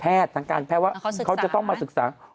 ทางการแพทย์ว่าเขาจะต้องมาศึกษา